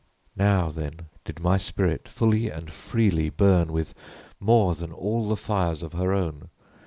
Now, then, did my spirit fully and freely burn with more than all the fires of her own.